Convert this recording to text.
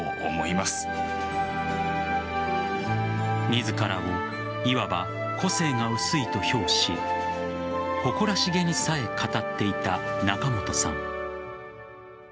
自らをいわば個性が薄いと評し誇らしげにさえ語っていた仲本さん。